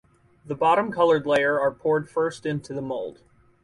The bottom coloured layer are poured first into the mold.